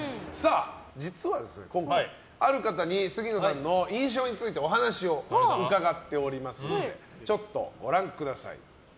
実は今回、ある方に杉野さんの印象についてお話を伺っておりますのでご覧ください。